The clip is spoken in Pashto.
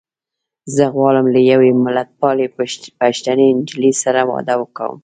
زه غواړم له يوې ملتپالې پښتنې نجيلۍ سره واده کوم.